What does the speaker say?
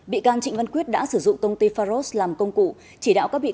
bị can trịnh văn quyết đã sử dụng công ty faros làm công cụ chỉ đạo các bị can